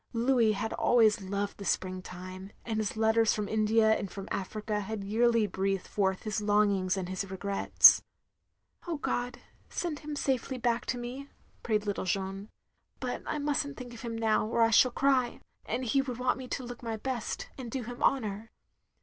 Louis had always loved the spring time; and his letters from India and from Africa had yearly breathed forth his longings and his regrets. " Oh God, send him safely back to me, " prayed little Jeanne, "but I must n't think of him now, or I shall cry, and he would want me to look my best, and do him honour."